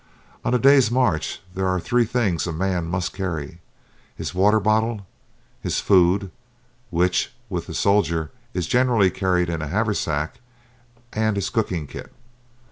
On a day's march there are three things a man must carry: his water bottle, his food, which, with the soldier, is generally carried in a haversack, and his cooking kit.